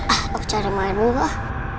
aku cari main dulu lah